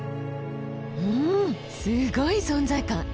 うんすごい存在感。